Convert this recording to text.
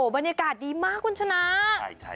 บรรยากาศดีมากคุณชนะ